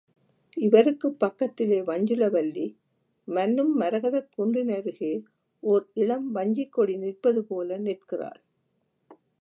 இவருக்குப் பக்கத்திலே வஞ்சுளவல்லி, மன்னும் மரகதக் குன்றின் அருகே ஓர் இளம் வஞ்சிக்கொடி நிற்பதுபோல நிற்கிறாள்.